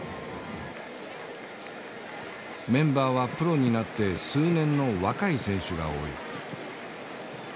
メンバーはプロになって数年の若い選手が多い。